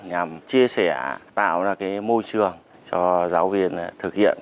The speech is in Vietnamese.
nhằm chia sẻ tạo ra môi trường cho giáo viên thực hiện